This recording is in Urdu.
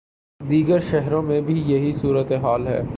دیگر شہروں میں بھی یہی صورت حال ہے۔